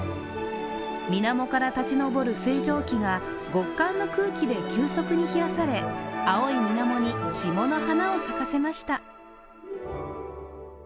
水面から立ち上る水蒸気が極寒の空気で急速に冷やされ、青い水面に霜の花を咲かせました。